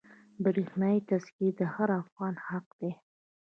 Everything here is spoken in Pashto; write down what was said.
برښنایي تذکره د هر افغان حق دی.